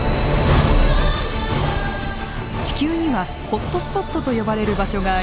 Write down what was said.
地球にはホットスポットと呼ばれる場所があります。